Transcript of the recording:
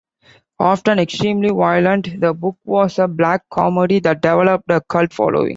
Often extremely violent, the book was a black comedy that developed a cult following.